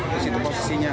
di situ posisinya